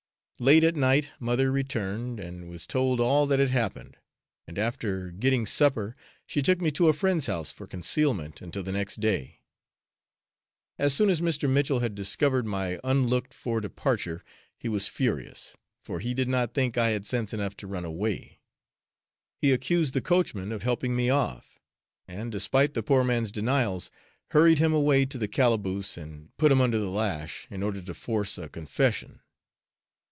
Late at night mother returned, and was told all that had happened, and after getting supper, she took me to a friend's house for concealment, until the next day. As soon as Mr. Mitchell had discovered my unlooked for departure, he was furious, for he did not think I had sense enough to run away; he accused the coachman of helping me off, and, despite the poor man's denials, hurried him away to the calaboose and put him under the lash, in order to force a confession.